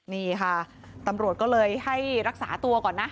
นี่ค่ะตำรวจก็เลยให้รักษาตัวก่อนนะ